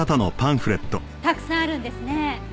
たくさんあるんですね。